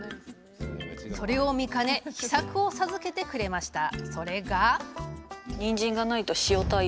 それを見かね秘策を授けてくれました。